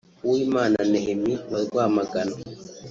Uwimana Nehemie wa Rwamagana